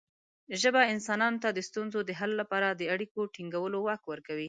ژبه انسانانو ته د ستونزو د حل لپاره د اړیکو ټینګولو واک ورکوي.